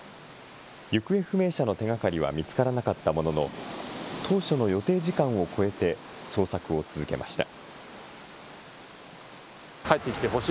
行方不明者の手がかりは見つからなかったものの、当初の予定時間を超えて、捜索を続けました。